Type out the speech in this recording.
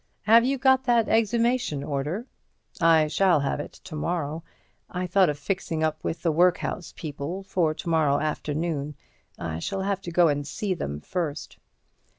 Have you got that exhumation order?" "I shall have it to morrow. I thought of fixing up with the workhouse people for to morrow afternoon. I shall have to go and see them first."